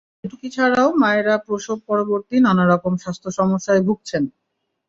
এতে মৃত্যুর ঝুঁকি ছাড়াও মায়েরা প্রসব-পরবর্তী নানা রকম স্বাস্থ্য সমস্যায় ভুগছেন।